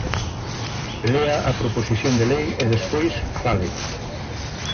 Lea a proposición de lei e despois fale.